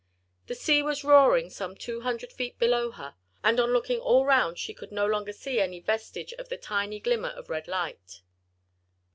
The sea was roaring some two hundred feet below her, and on looking all round she could no longer see any vestige of the tiny glimmer of red light.